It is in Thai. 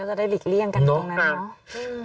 ก็จะได้หลีกเลี่ยงกันตรงนั้นเนอะ